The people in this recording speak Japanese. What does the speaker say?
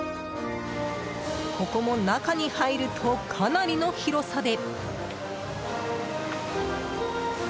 ここも、中に入るとかなりの広さで。